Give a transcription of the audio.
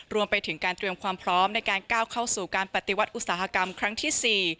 รวมไปถึงการเตรียมความพร้อมในการก้าวเข้าสู่การปฏิวัติอุตสาหกรรมครั้งที่๔